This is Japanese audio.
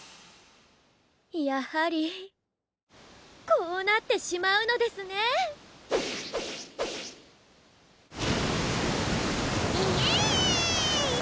やはりこうなってしまうのですねイエーイ！